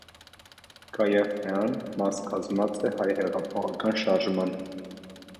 Գաւաֆեան մաս կազմած է հայ յեղափոխական շարժման։